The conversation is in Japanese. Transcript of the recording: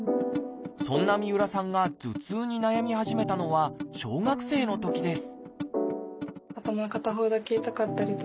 そんな三浦さんが頭痛に悩み始めたのは小学生のときです